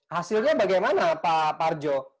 hasilnya bagaimana pak parjo